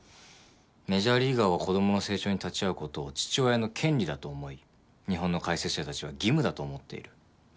メジャーリーガーは子供の成長に立ち会うことを父親の権利だと思い日本の解説者たちは義務だと思っている。